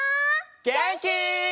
げんき？